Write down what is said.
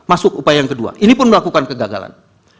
masuk upaya yang kedua ini pun melakukan kegagalan